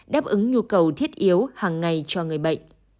đáp ứng nhu cầu thiết yếu hàng ngày cho người bệnh